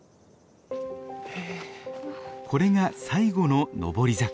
これが最後の上り坂。